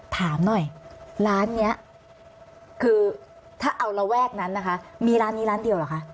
ถามหน่อยร้านนี้คือถ้าเอาระแวกนั้นนะคะมีร้านนี้ร้านเดียวเหรอคะ